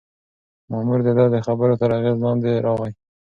مامور د ده د خبرو تر اغېز لاندې راغی.